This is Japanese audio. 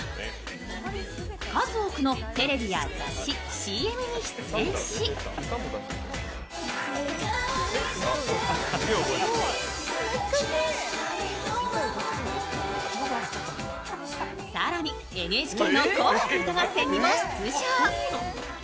数多くのテレビや雑誌、ＣＭに出演し更にＮＨＫの「紅白歌合戦」にも出場。